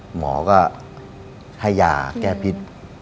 หมอก็ให้ยาแก้พิษ